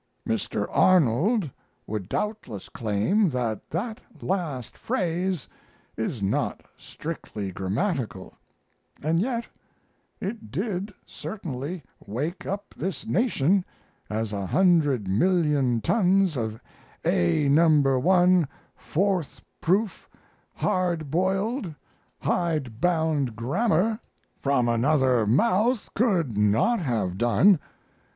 Mr. Arnold would doubtless claim that that last phrase is not strictly grammatical, and yet it did certainly wake up this nation as a hundred million tons of A number one fourth proof, hard boiled, hide bound grammar from another mouth could not have done.